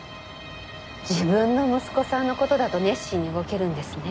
自分の息子さんの事だと熱心に動けるんですね